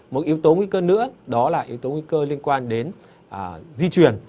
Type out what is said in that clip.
một yếu tố nguy cơ nữa đó là yếu tố nguy cơ liên quan đến di chuyển